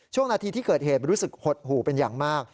ช่วงนาทีที่เกิดเหตุรู้สึกหดหู่เป็นอย่างมาก